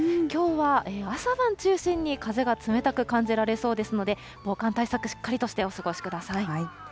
きょうは朝晩中心に風が冷たく感じられそうですので、防寒対策、しっかりとしてお過ごしください。